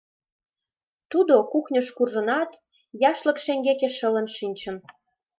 Тудо кухньыш куржынат, яшлык шеҥгеке шылын шинчын.